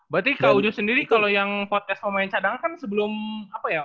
berarti kak ujo sendiri kalau yang podcast pemain cadangan kan sebelum apa ya